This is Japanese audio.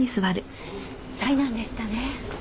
災難でしたね。